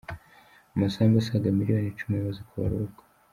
Amasambu asaga miliyoni icumi amaze kubarurwa